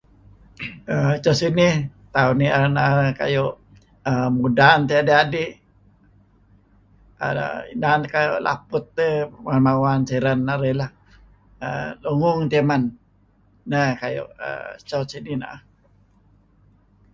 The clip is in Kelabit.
Er Eco sinih... tauh ni'er na'eh kayu' mudan tieh adi-adi'. Er Inan teh kayu' laput ih mawan siren narih lah. Lungung tieh men. Neh Kayu' so sinih na'eh.